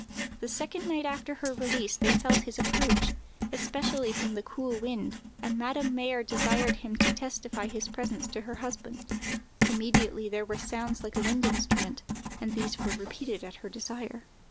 The second night after her release, they felt his approach, especially from the cool wind, and Madame Mayer desired him to testify his presence to her husband. Immediately there were sounds like a wind instrument, and these were repeated at her desire.